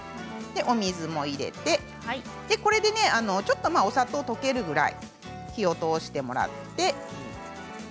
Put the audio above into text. お水を入れてこれでちょっと、お砂糖が溶けるくらい火を通してもらって。